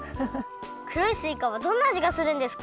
くろいすいかはどんなあじがするんですか？